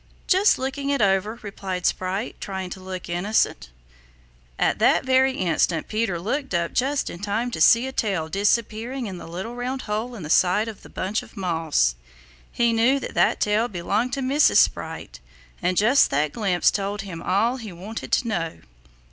"Just looking it over," replied Sprite, trying to look innocent. At that very instant Peter looked up just in time to see a tail disappearing in the little round hole in the side of the bunch of moss. He knew that that tail belonged to Mrs. Sprite, and just that glimpse told him all he wanted to know.